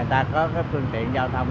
để người ta có phương tiện giao thông